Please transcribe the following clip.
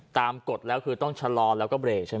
กฎแล้วคือต้องชะลอแล้วก็เบรกใช่ไหม